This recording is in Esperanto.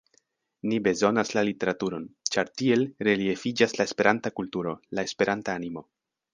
Ni bezonas la literaturon, ĉar tiel reliefiĝas la Esperanta kulturo, la Esperanta animo.